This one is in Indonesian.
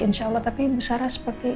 insya allah tapi bu sarah seperti